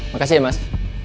makasih ya mas